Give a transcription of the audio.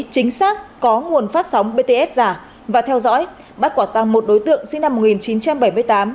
chính xác có nguồn phát sóng bts giả và theo dõi bắt quả tăng một đối tượng sinh năm một nghìn chín trăm bảy mươi tám